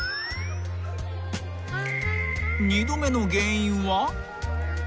［二度目の原因は？］